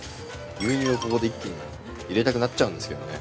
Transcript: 牛乳をここで一気に入れたくなっちゃうんですけどね。